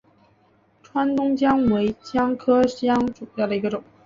川东姜为姜科姜属下的一个种。